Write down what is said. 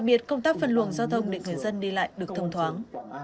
hệ thống giao thông để người dân đi lại được thông thoáng